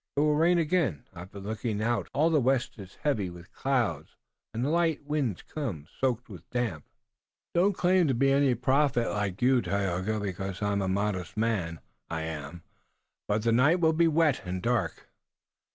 "It will rain again. I've been looking out. All the west is heavy with clouds and the light winds come, soaked with damp. I don't claim to be any prophet like you, Tayoga, because I'm a modest man, I am, but the night will be wet and dark."